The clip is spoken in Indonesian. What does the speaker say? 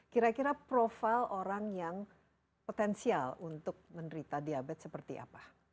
kira kira profil orang yang potensial untuk menderita diabetes seperti apa